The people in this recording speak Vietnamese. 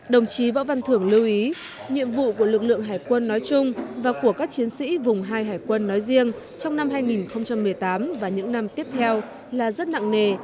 đồng chí võ văn thưởng lưu ý nhiệm vụ của lực lượng hải quân nói chung và của các chiến sĩ vùng hai hải quân nói riêng trong năm hai nghìn một mươi tám và những năm tiếp theo là rất nặng nề